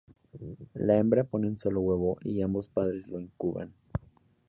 La hembra pone un solo huevo, y ambos padres lo incuban.